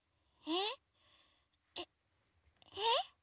えっえっ？